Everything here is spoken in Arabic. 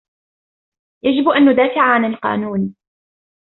يجب أن ندافع عن القانون.